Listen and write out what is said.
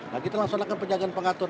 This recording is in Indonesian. nah kita laksanakan penjagaan pengatur